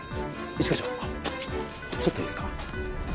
一課長ちょっといいですか？